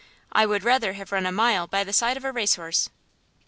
I would rather have run a mile by the side of a race horse."